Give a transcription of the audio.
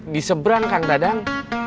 di seberang kan dadang